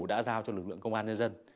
đã giao cho lực lượng công an nhân dân